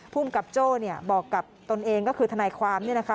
ภูมิกับโจ้เนี่ยบอกกับตนเองก็คือทนายความเนี่ยนะคะ